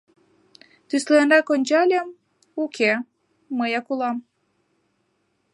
Тӱсленрак ончальым: уке, мыяк улам.